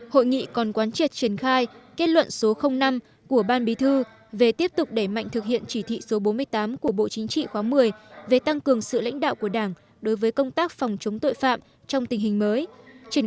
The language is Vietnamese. hội nghị còn quán triệt triển khai kết luận số năm của ban bí thư về tiếp tục đẩy mạnh thực hiện chỉ thị số bốn mươi tám của bộ chính trị khóa một mươi về tăng cường sự lãnh đạo của đảng đối với công tác phòng chống tội phạm trong tình hình mới